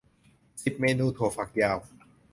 สิบ เมนูถั่วฝักยาว